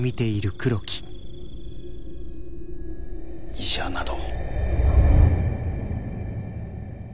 医者など。